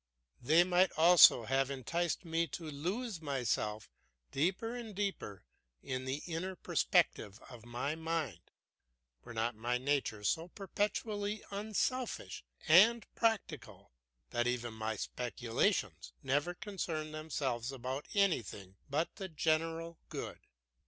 They might also have enticed me to lose myself deeper and deeper in the inner perspective of my mind, were not my nature so perpetually unselfish and practical that even my speculations never concern themselves about anything but the general good.